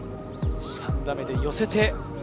３打目で寄せて。